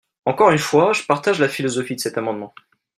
Encore une fois, je partage la philosophie de cet amendement.